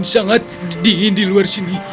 sangat dingin di luar sini